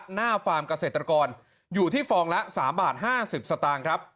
ฟาร์มเกษตรกรอยู่ที่ฟองละ๓บาท๕๐สตางค์ครับ